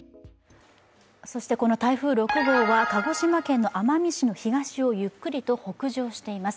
そしてこの台風６号は、鹿児島県の奄美市の東をゆっくりと北上しています。